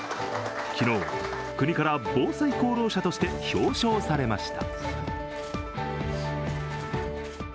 昨日、国から防災功労者として表彰されました。